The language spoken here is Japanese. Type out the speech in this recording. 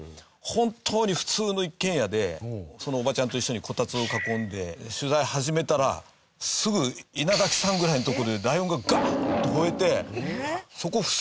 本当に普通の一軒家でそのおばちゃんと一緒にこたつを囲んで取材始めたらすぐ稲垣さんぐらいのとこでライオンが「ガァー！！」と吠えてそこふすま開けたらここにいるんです。